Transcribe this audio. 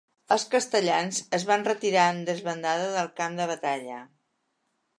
Els castellans es van retirar en desbandada del camp de batalla.